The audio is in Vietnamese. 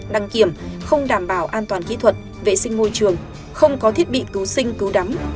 đăng kiểm không đảm bảo an toàn kỹ thuật vệ sinh môi trường không có thiết bị cứu sinh cứu đắm